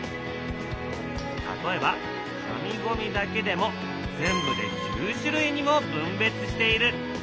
例えば紙ゴミだけでも全部で９種類にも分別している。